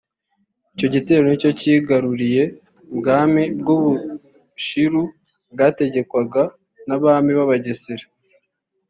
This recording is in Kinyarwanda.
Icyo gitero nicyo cyigaruriye Ubwami bw’u Bushiru bwategekwaga n’Abami b’Abagesera